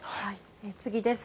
次です。